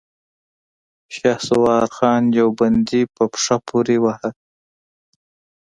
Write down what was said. شهسوار خان يو بندي په پښه پورې واهه.